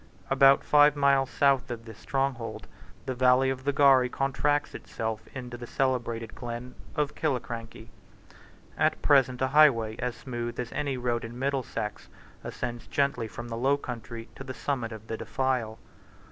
About five miles south of this stronghold, the valley of the Garry contracts itself into the celebrated glen of Killiecrankie. At present a highway as smooth as any road in Middlesex ascends gently from the low country to the summit of the defile.